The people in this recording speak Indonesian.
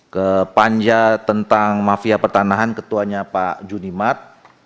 ke panja tentang mafia pertanahan ketuanya pak junimat